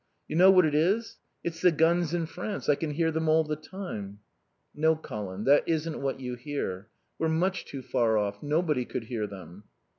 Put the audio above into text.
You know what it is? It's the guns in France. I can hear them all the time." "No, Colin. That isn't what you hear. We're much too far off. Nobody could hear them."